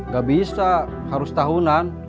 gak bisa harus tahunan